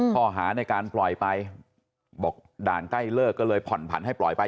ข้อหาในการปล่อยไปบอกด่านใกล้เลิกก็เลยผ่อนผันให้ปล่อยไป